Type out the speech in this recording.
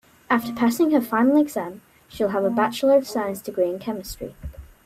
After passing her final exam she will have a bachelor of science degree in chemistry.